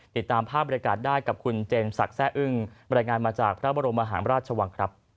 ติดตามภาพบริการได้กับคุณเจนศักดิ์แซ่อึ้งบรรยายงานมาจากพระบรมมหาราชวังครับ